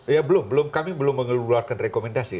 ya belum belum kami belum mengeluarkan rekomendasi